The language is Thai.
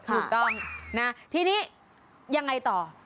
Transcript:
ถูกต้องนะทีนี้ยังไงต่อ